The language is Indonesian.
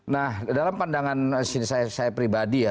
nah dalam pandangan saya pribadi ya